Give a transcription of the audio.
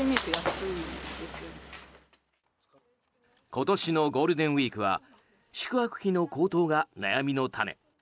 今年のゴールデンウィークは宿泊費の高騰が悩みの種。